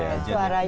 suara yang melayu